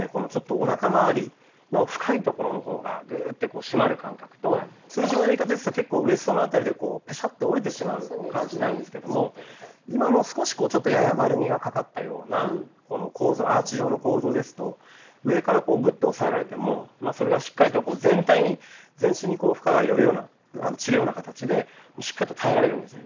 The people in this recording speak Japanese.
おなかまわりの深いところの方がグッと締まる感覚と通常のやり方ですと結構ウエストの辺りでペシャッて折れてしまう感じになるんですけども今の少しやや丸みがかかったようなアーチ状の構造ですと上からこうグッと押さえられてもそれがしっかりと全体に全身に負荷が散るような形でしっかりと耐えられるんですね。